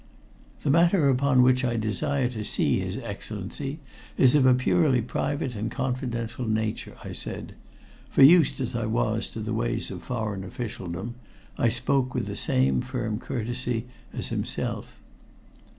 "The matter upon which I desire to see his Excellency is of a purely private and confidential nature," I said, for used as I was to the ways of foreign officialdom, I spoke with the same firm courtesy as himself.